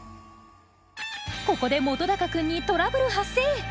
ここで本君にトラブル発生！